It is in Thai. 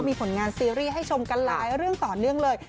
มีผลงานซีรีส์ให้ชมกันหลายเรื่องต่อเนื่องเลย